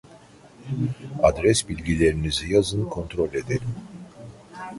Adres bilgilerinizi yazın kontrol edelim